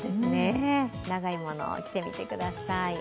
長いものを着てみてください。